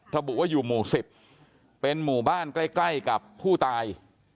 ระบุว่าอยู่หมู่๑๐เป็นหมู่บ้านใกล้กับผู้ตาย